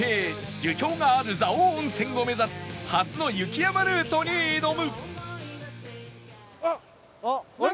樹氷がある蔵王温泉を目指す初の雪山ルートに挑む